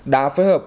đã phối hợp